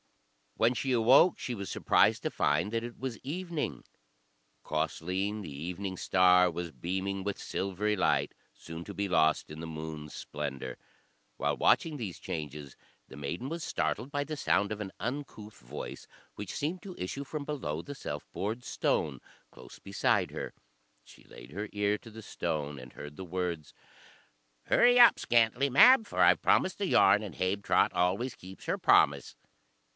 When she awoke she was surprised to find that it was evening. Causleen, the evening star, was beaming with silvery light, soon to be lost in the moon's splendour. While watching these changes, the maiden was startled by the sound of an uncouth voice, which seemed to issue from below the self bored stone, close beside her. She laid her ear to the stone and heard the words: "Hurry up, Scantlie Mab, for I've promised the yarn and Habetrot always keeps her promise."